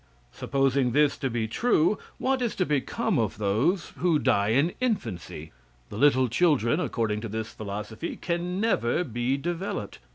Supposing this to be true, what is to become of those who die in infancy? The little children, according to this philosophy, can never be developed.